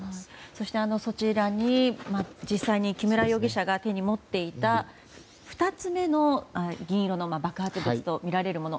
そして、そちらに実際に木村容疑者が手に持っていた２つ目の銀色の爆発物とみられるもの。